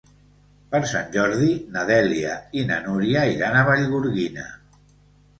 Per Sant Jordi na Dèlia i na Núria iran a Vallgorguina.